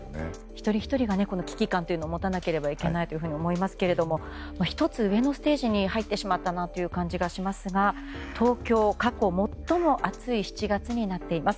一人ひとりが危機感を持たなければならないと思いますが１つ上のステージに入ってしまったなという感じがしますが東京、過去最も暑い７月になっています。